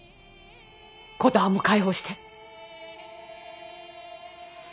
琴葉も解放して。